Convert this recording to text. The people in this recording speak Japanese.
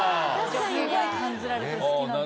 すごい感じられて好きなんです。